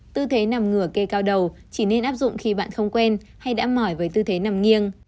tư thế nằm ngửa cây cao đầu chỉ nên áp dụng khi bạn không quen hay đã mỏi với tư thế nằm nghiêng